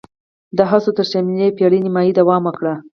دا هڅو تر شلمې پېړۍ نیمايي دوام وکړ